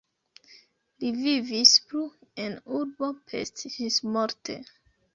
Li vivis plu en urbo Pest ĝismorte.